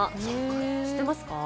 知ってますか？